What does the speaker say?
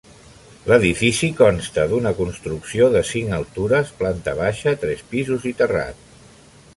L'edifici consta d'una construcció de cinc altures, planta baixa, tres pisos i terrat.